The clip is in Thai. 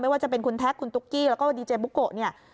ไม่ว่าจะเป็นคุณแท็กคุณตุ๊กกี้แล้วก็ดีเจมส์บุ๊กโกะ